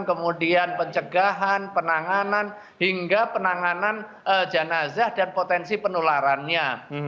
kemudian pencegahan penanganan hingga penanganan jenazah dan potensi penularannya